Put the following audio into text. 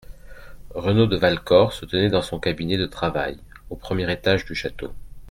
RENAUD de Valcor se tenait dans son cabinet de travail, au premier étage du château.